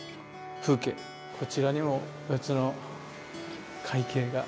こちらにも別の「海景」が。